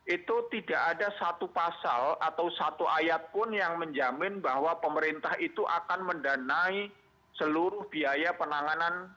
itu tidak ada satu pasal atau satu ayat pun yang menjamin bahwa pemerintah itu akan mendanai seluruh biaya penanganan